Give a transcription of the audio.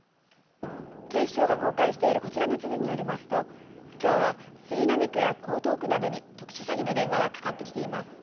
警視庁が公開しているこちらの地図によりますときょうは杉並区や江東区などに特殊詐欺の電話がかかってきています。